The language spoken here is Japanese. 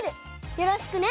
よろしくね！